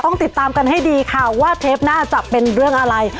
ต้องติดตามกันให้ดีค่ะว่าเทปหน้าจะเป็นเรื่องอะไร